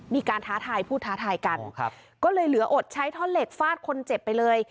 ท้าทายพูดท้าทายกันครับก็เลยเหลืออดใช้ท่อนเหล็กฟาดคนเจ็บไปเลย